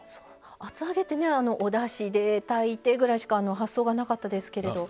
厚揚げっておだしで炊いてくらいしか発想がなかったですけど。